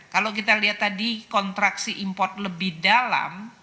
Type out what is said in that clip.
kalau kita lihat tadi kontraksi import lebih dalam